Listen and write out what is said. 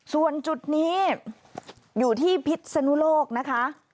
ส่วนจุดนี้อยู่ที่พิษนุโลกนะคะ